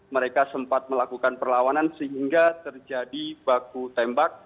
mereka sempat melakukan perlawanan sehingga terjadi baku tembak